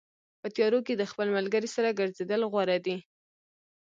په تیارو کې د خپل ملګري سره ګرځېدل غوره دي.